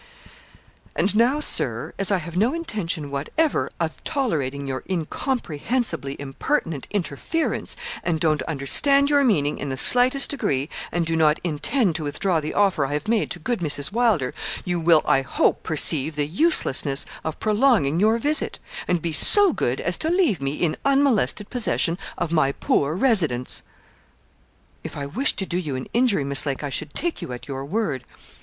'And now, Sir, as I have no intention whatever of tolerating your incomprehensibly impertinent interference, and don't understand your meaning in the slightest degree, and do not intend to withdraw the offer I have made to good Mrs. Wylder, you will I hope perceive the uselessness of prolonging your visit, and be so good as to leave me in unmolested possession of my poor residence.' 'If I wished to do you an injury, Miss Lake, I should take you at your word.